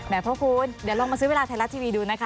พระคุณเดี๋ยวลองมาซื้อเวลาไทยรัฐทีวีดูนะคะ